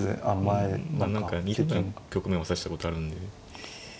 何か似たような局面を指したことあるんで。